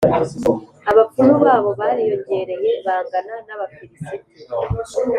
abapfumu babo bariyongereye, bangana n’ab’Abafilisiti,